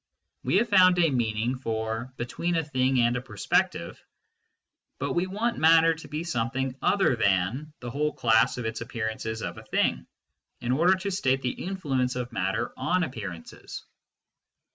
We have found a meaning for " between a thing and a perspective." But we want matter to be something other than the whole class of appearances of a thing, in order to state the influence of matter on appear ances.